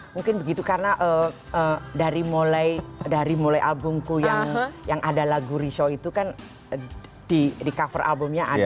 mungkin begitu karena dari mulai albumku yang ada lagu re show itu kan di cover albumnya